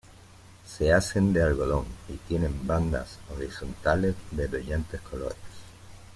Se hacen de algodón y tienen bandas horizontales de brillantes colores.